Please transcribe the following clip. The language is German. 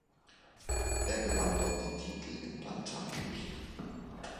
Er gewann dort den Titel im Bantamgewicht.